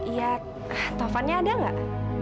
ya taufannya ada nggak